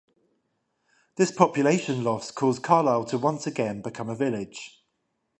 This population loss caused Carlisle to once again become a village.